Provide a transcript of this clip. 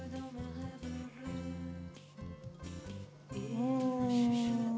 うん。